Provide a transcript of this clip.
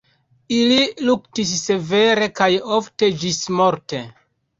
Ili luktis severe kaj ofte ĝismorte.